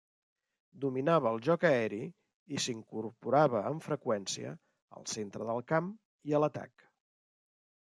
Dominava el joc aeri i s'incorporava amb freqüència al centre del camp i a l'atac.